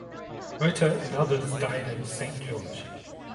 Motta and others died in Saint George.